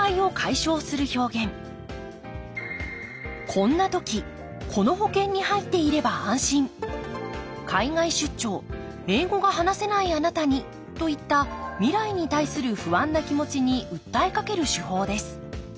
「こんな時この保険に入っていれば安心」「海外出張英語が話せないあなたに！」といった未来に対する不安な気持ちにうったえかける手法です。